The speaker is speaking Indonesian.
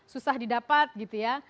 susah didapat gitu ya